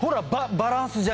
バランス。